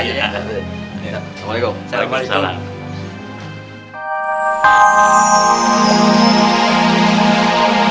ini saya terima ya